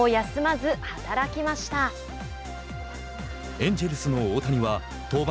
エンジェルスの大谷は登板